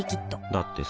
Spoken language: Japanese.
だってさ